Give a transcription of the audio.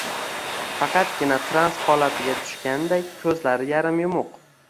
Faqatgina trans holatiga tushganday ko‘zlari yarim yumuq